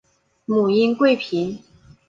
母殷贵嫔。